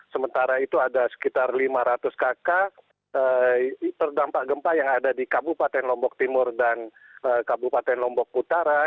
sementara itu ada sekitar lima ratus kakak terdampak gempa yang ada di kabupaten lombok timur dan kabupaten lombok utara